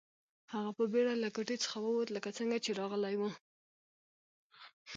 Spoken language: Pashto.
هغه په بیړه له کوټې څخه ووت لکه څنګه چې راغلی و